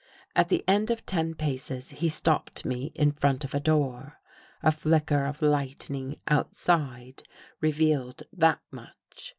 At the end of ten paces, he stopped me in front of a door. A flicker of lightning outside, revealed that much.